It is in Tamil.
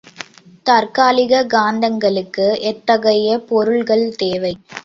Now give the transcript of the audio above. தற்காலிகக் காந்தங்களுக்கு எத்தகைய பொருள்கள் தேவை?